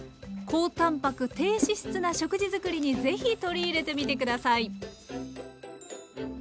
高たんぱく低脂質な食事作りに是非取り入れてみて下さい。